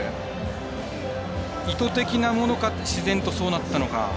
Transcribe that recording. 意図的なものか自然とそうなったのか。